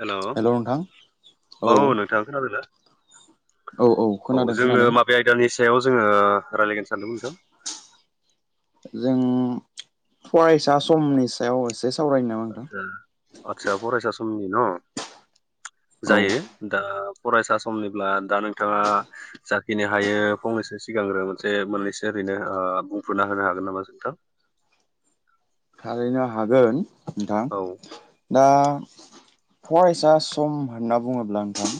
Hello hello नोंथां औ नों थां खोनादोंना? औ औ खोनादों जोङो खोनादों माबे आय दानि सायाव जोङो रायलायगोन सानदोंमोन नोंथां? जों फरायसा समनि सायाव एसे से सावरायनि ना आदसा आदसा फरायसा समनि न? औ जायो। दा फरायसा समनिब्ला दा नोंथांङा जाखिनि हायो फंनैसो सिगांग्रो मोनसे मोननैसो ओरैनो ओ बुंफोरना होनो हागोन नामा नोंथां? थारैनो हागोन नोंथां। औ दा फरायसा सम होनना बुङोब्ला नोंथां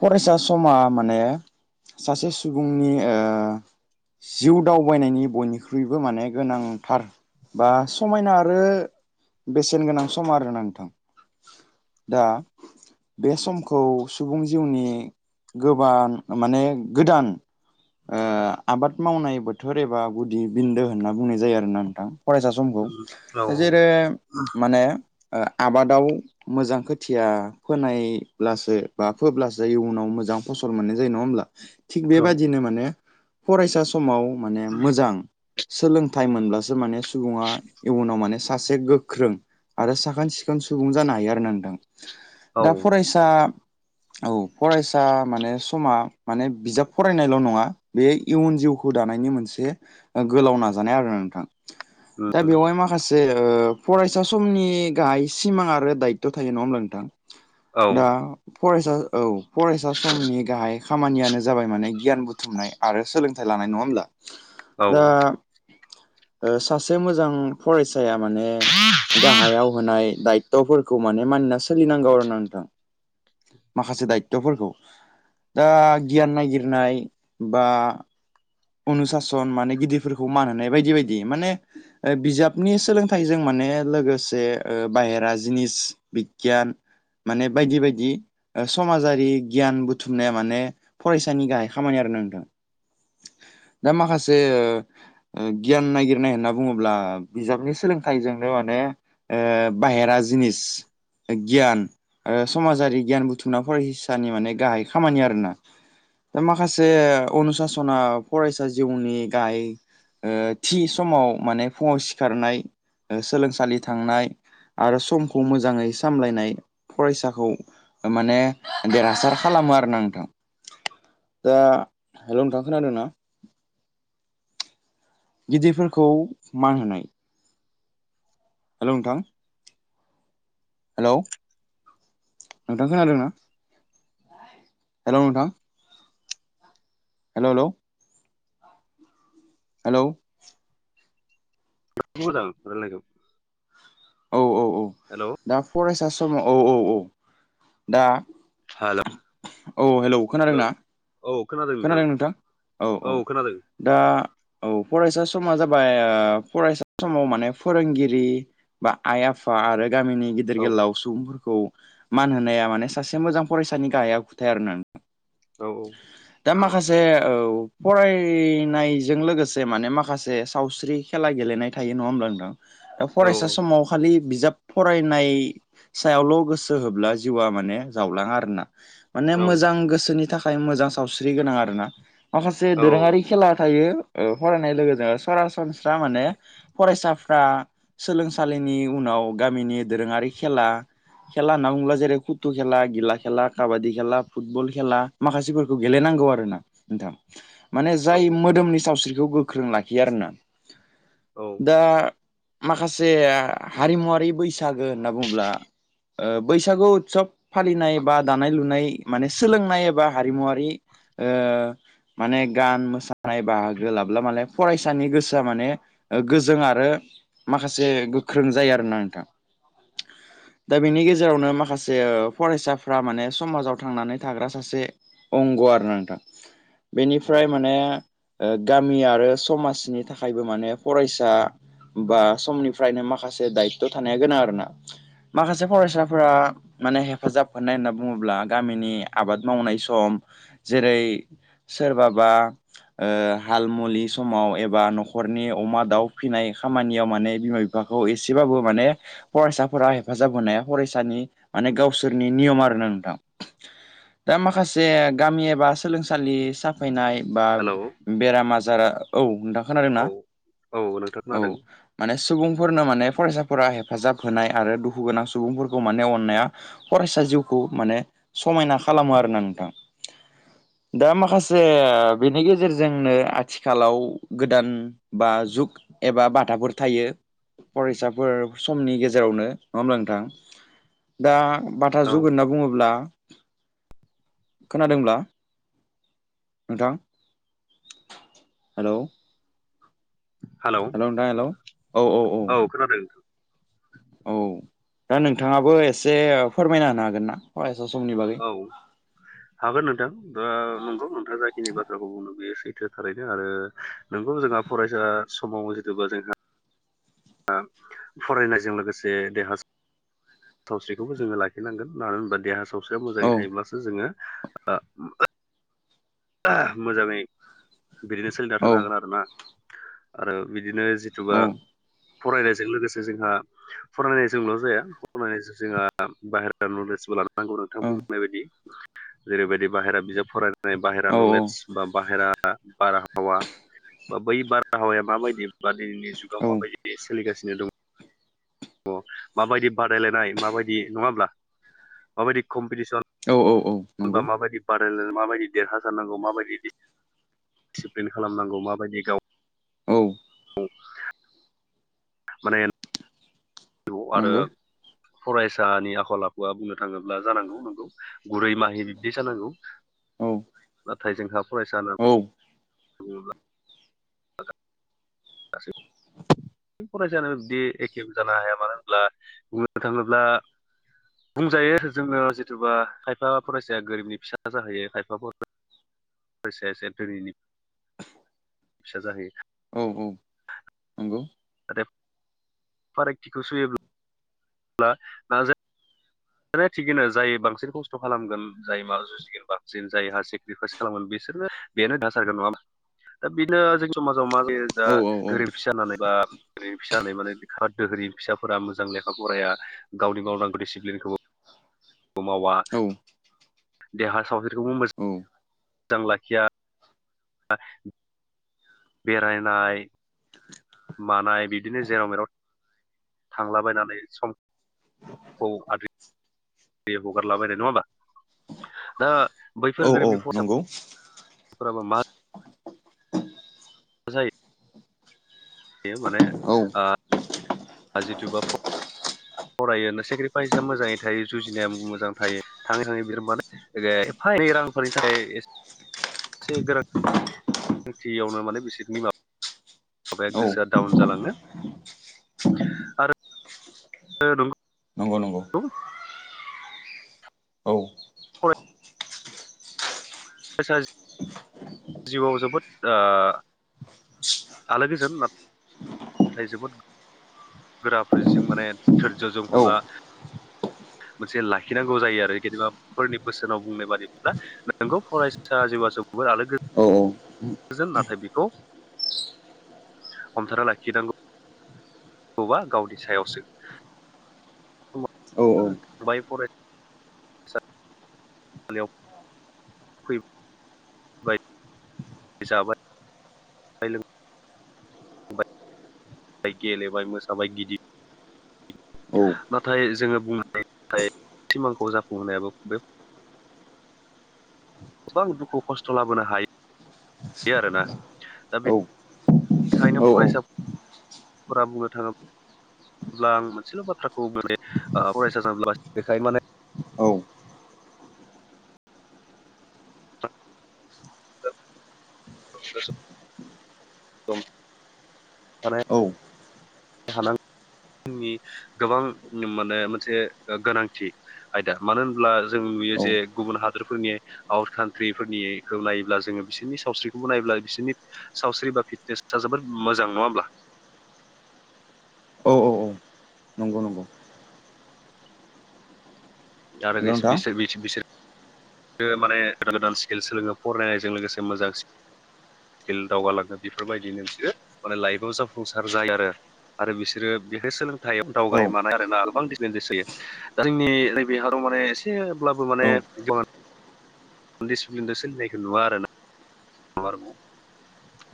फरायसा समा माने सासे सुबुंनि ओ जिउ दावबायनायनि बयनिख्रुइबो माने गोनांथार बा समायना आरो बेसेन गोनां सम आरोना नोंथां। दा बे समखौ सुबुं जिउनि गोबान माने गोदान ओ आबाद मावनाय बोथोर एबा गुदि बिन्दो होनना बुंनाय जायो आरो ना नोंथां, फरायसा स औ समखौ। जेरै माने ओ आबादाव मोजां खोथिया फोनायब्लासो बा फोब्लासो इयुनाव मोजां फसल मोननाय जायो नङा होमब्ला? थिग बेबायदिनो माने फरायसा समाव माने मोजां सोलोंथाइ मोनब्लासो माने सुबुङा इयुनाव माने सासे गोख्रों आरो साखोन सिखोन सुबुं जानो हायो आरो ना नोंथां, औ दा फरायसा औ फरायसा माने समा माने बिजाब फरायनायल' नङा। बे इउन जिउखौ दानायनि मोनसे ओ गोलाव नाजानाय आरो ना नोंथां। दा बेयावहाय माखासे ओ फरायसा समनि गाहाय सिमां आरो दायथ' थायो नङा होमब्ला नोंथां? औ दा फरायसा औ फरायसा समनि गाहाय खामानियानो जाबाय माने गियान बुथुमनाय आरो सोलोंथाइ लानाय नङा होमब्ला? औ दा ओ सासे मोजां फरायसाया माने गाहायाव होनाय दायथ'फोरखौ माने मानिना सोलिनांगौ आरोना नोंथां। माखासे दायथ'फोरखौ। दा गियान नागिरनाय बा अनुसासन माने गिदिरफोरखौ मान होनाय बायदि बायदि माने ओ बिजाबनि सोलोंथाइजों माने लोगोसे बाहेरा जिनिस बिगियान माने बायदि बायदि समाजारि गियान बुथुमनाया माने फरायसानि गाहाय खामानि आरो नांथां दा माखासे ओ गियान नायगिरनाय होनना बुङोब्ला बिजाबनि सोलोंथाइजोंनो माने ओ बाहेरा जिनिस गियान आ समाजारि गियान बुथुमना फरायसानि माने गाहाय खामानि आरोना। दा माखासे अनुसासना फरायसा जिउनि गाय ओ थि समाव माने फुङाव सिखारनाय, सोलोंसालि थांनाय आरो समखौ मोजाङै सामलायनाय फरायसाखौ माने देरहासार खालामो आरो ना नोंथां दा हेलौ नोंथां खोनादोंना गिदिरफोरखौ मान होनाय हेल' नोंथां हेलौ नोंथां खोनादोंना हेल' नोंथां हेल'ेल' हेलौ ब दांाय औ औ औ हेल' दा फरायसा समाव औ औ औ दा हेल' औ हेलौ हेल' खोनादोंना औ खोनादों खोनादों नोंथां औ औ दा औ फरायसा समा जाबाय फरायसा समाव माने फोरोंगिरि बा आइ आफा आरो गामिनि गिदिर औ गोलाव सुबुंफोरखौ मान होनाया माने सासे मोजां फरायसानि गाहायाव खुथाय आरो ना औ औ दा माखासे फरायनायजों लोगोसे माने माखासे सावस्रि खेला गेलेनाय थायो नङा होमब्लाांदां दा औ फरायसा समाव खालि बिजाब फरायनाय सायावल' गोसो होब्ला जिउआ माने जावलाङा आरो ना माने मोजां गोसोनि थाखाय मोजां सावस्रि गोनां आरो ना माखासे औ दोरोङारि खेला थायो फरायनाय लोगोजों सरासनस्रा माने फरायसाफ्रा सोलोंसालिनि उनाव गामिनि दोरोङारि खेला खेला नुलला जेर खुथु खेला गिला खेला काबादि खेला फुटबल खेला माखासेफोरखौ गेलेनांगौ आरो ना नोंथां माने औ जाय औ मोदोमनि सावस्रिखौ गोख्रों लाखियो आरोोना औ दा माखासे हारिमुवारि बैसागो होनना बुङोब्ला बैसागु उत्सब फालिनाय बा दानाय लुनाय माने सोलोंनाय एबा हारिमुवारि माने गान मोसानाय बाहागो लाब्ला माने फरायसानि गोसोआ माने गोजों आरो माखासे गोख्रों जायो आरोना नोंथाङा दा बेनि गेजेरावनो माखासे फरायसाफ्रा माने समाजाव थांनानै थाग्रा सासे अंग' आरो नोंथां औ बेनिफ्राय माने गामि आरो समाजनि थाखायबो माने फरायसा बा समनिफ्रायनो माखासे दायथ' थानाया गोनां आरो ना माखासे फरायसाफोरा माने हेफाजाब होननाय होनना बुङोब्ला गामिनि आबाद मावनाय सम सम जेरै सोरबाबा हाल मुलि समाव एबा न'खरनि अमा दाउ फिसिनाय खामानियाव माने बिमा बिाखौ एसेबाबो माने फरायसाफोरा हेफाजाब होनाया फरायसानि माने गावसोरनि नियम आरोना नोंथां दा माखासे गामि एबा सोलोंसालि साफैनाय बा हेलौ बेराम आजार औ नोंथां औ खोनादोंना औ नोंथां औ खोनादों माने सुबुंफोरनो माने फरायसाफोरा हेफाजाब होनाय आरो दुखु गोनां सुबुंफोरखौ माने अन्नाया फरायसा जिउखौ माने समायना खालामो आरोना नोंथां दा माखासे बेनि गेजेरजोंनो आथिखालाव गोदान बा जुग एबा बाथाफोर थायो फरायसाफोर समनि गेजेरावनो नङा होमब्ला नोंथां दा बाथा औ जुगोन होनना बुङोब्ला खोनादोंब्ला नोंथां हेलौ हेलौ हेल' नोंथां हेल' औ औ औ औ खोनादों औ दा नोंथाङाबो एसे फोरमायना होनो हागोन ना फरायसा समनि बा औ हागोन नोंथां दा नंगौ नोंथाङा जाखिनि बाथ्राखौ बुंनो बेयो सै थारैनो आरो नोंगौ जोंहा फरायसा समाव जिथबा जोंहा फरायनायजों लोगोसे देहा सावस्रिखौबो जोङो लाखिनांगोन मानो होनबा देहा सावस्रिया औ मोजाङै थायोब्लासो जोङो मोजाङै बिदिनो सोलिना औ थानो हागोन आरोना आरो बिदिनो औ जिथुबा फरायनायजों लोगोसे जोंहा फरायनायजोंल' जाया फरायनाय जोंहा बाहेरा नलेजबो लानो नांगौ नोंथां बुंनाय बायदि जेरैबायदि बाहेरा बिजाब फरायनाय बाहेरा औ नलेज बा बाहेरा बारहावा बा बै बारहावाया माबायदि बा दिनैनि जुगाव माबायदि सोलिगासिनो दङ अ माबायदि बादायलायनाय माबायदि नङा हब्ला माबायदि कम्पिटिसन औ औ औ होनबा नंगौ माबायदि बादायलाय माबायदि देरहासारनांगौ माबायदिसिप्लिन खालामनांगौ माबायदि गाव औ औ माने आरो नंगौ फरायसानि आखल आखुआ बुंनो थाङोब्ला जानांगौ नंगौ गुरै माहि बिब्दि जानांगौ औ नाथाय जोंहा फरायसालि औ बुोब्ला [inaudible] फरायसानो बिदि एखे जानो हाया मानो होनब्ला बुंनो थाङोब्ला बुंजायो जोङो जिथुबा खायफा फरायसाया गोरिबनि फिसा जाहैयो खायफा हसेयासे धैनि फिसा जाहैयो औ औ नंगौ आरो फारागथिखौ सोयोब्ला मा जे दाने थिगैनो जाय बांसिन खस्थ' खालामगोन जाय बा बांसिन जायहा सेक्रिफाइस खालामोन बिसोरबो बेनो दासारगोन नङा दा बिनो जोंनि समाजाव मा ज जा औ औ गोरोन्थि जानानै बा फिसा माने दोहोरनि फिसाफोरा मोजां लेखा फरायाया गावनि मावनांगौ डिसिप्लिनखौबो खमाव औ देहा सावस्रिखौबो औ मोथां लाखिया बा बेरायनाय मानाय बिदिनो जेराव मेराव थांलाबायनानै समखौ आ बे हगारलाबायनाय नङा होमबा दा बैफोर औ औ गोरिबनि नंगौ। मा बजायो बे माने औ ओ जिथुबा फरायो सेक्रिफाइसआ मोजाङै थायो जुजिनाया मोजां थायो थाङै थाङै बिराद माने एफा एनै रांफोरनि थाखाय एसे गोनां थांथियावनो माने बिसोरनि माबा माबाया औ गोसोआ डाउन जालाङो। आरो नंगौ नंगौ औ फ रायसा जिउआव जोबोद ओ आलो गोजोन नाथाय जोबोद गोराफारसेजों माने धोरज्यजों औ हमना मोनसे लाखिनांगौ जायो आरो गेदेमाफोरनि बोसोनाव बुंनाय बादिब्ला नोंगौ फरायसा जिवा जोबोत आलो गो जोन नाथाय बेखौ हमथाना लाखिनांगौवा गावनि सायावसो बाय फ हेलेव बाय जाबाय लोंबाय गेलेबाय मोसाबाय गिदिर नाथाय जोङो बुंनाय सिमांखौ जाफुंहोनायाबो बे गोबां दुखु खस्थ' लाबोनो हायो आरोना दा बे खायनो फरायसाफोरा बुंनो थाङो ब्ला आं मोनसेल' बाथ्राखौे फरायसा माने ओ बेखायनो माने थानो अ दम माने हानांगौ जोंनि गोबां माने मोनसे गोनांथि आयदा मानो होनब्ला जों नुयो जे गुबुन हादरफोरनि आउट कान्ट्रिफोरनिखौ नायोब्ला जोङो बिसोरनि सावस्रिखौबो नायोब्ला बिसोरनि सावस्रि बा फिटनेसा जोबोद मोजां नङा होमब्ला? औ औ औ नंगौ नंगौ दा आरो हेल' नोंथां बिसोर बि बिसोर माने गोदान गोदान स्किल सोलोङो फरायनायजों लोगोसे मोजां स्किल दावगाालांनो बेफोरबायदिनो बिसोर माने लाइफआव जाफुंसार जायो आरो। आरो बिसोरो बेहाय सोलोंथाइयाव औ दावगानाय मानाय आरोना गोबां इनदिपेडेन्स होयो दा जोंनि नैबे हादाव माने एसेब्लाबो औ माने दिसिप्लिनजो सोलिनायखौ नुवा आरो ना ब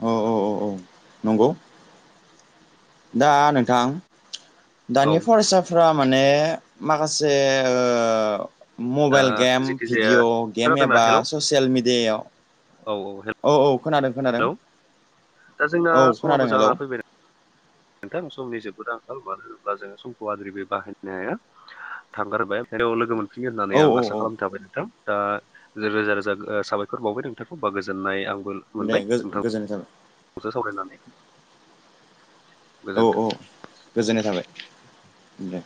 औ औ औ नंगौ दा नोंथां औ दानि फरायसा फ्रा माने माखासे दा मबाइल गेम जेखि जाया भिडिअ' गेम खोनादोंना एबा हेलौ ससियेल मिेडियायाव औ औ। औ औ खोनादों खोनादों हेलौ दा जोंना औ समाबो खोनादों हेलौ। जाना फैबाय नोंथां समनि जोबोद आंखाल मानो होनोब्ला जोङो समखौ आद्रि बे बाहायनाया। थांगारबाय याव लोगो मोनफिगोन होननानै औ आं आसा औ खालामथाबाय नोंथां। दा रोजा रोजा साबायखर बावबाय नोंथांखौ बा गोजोननाय आंबो। दे गोजोनथों। नोंथांजो सावरायनानै। औ गोजोन्थों औ गोजोननाय थाबाय दे।